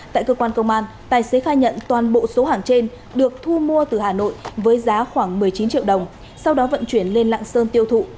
tại cơ quan công an tài xế khai nhận toàn bộ số hàng trên được thu mua từ hà nội với giá khoảng một mươi chín triệu đồng sau đó vận chuyển lên lạng sơn tiêu thụ